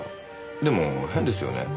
でも変ですよね。